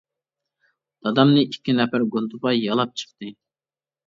دادامنى ئىككى نەپەر گۇندىپاي يالاپ چىقتى.